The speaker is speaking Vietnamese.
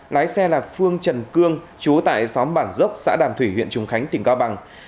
lái xe là phương trần cương chú tại xóm bản dốc xã đàm thủy huyện trùng khánh tỉnh cao bằng